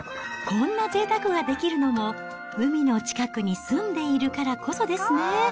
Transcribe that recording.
こんなぜいたくができるのも、海の近くに住んでいるからこそですね。